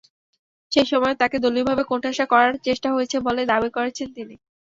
সেই সময়েও তাকে দলীয়ভাবে কোণঠাসা করার চেষ্টা হয়েছে বলে দাবি করেছেন তিনি।